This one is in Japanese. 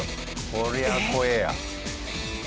こりゃ怖えや。